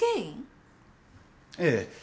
ええ。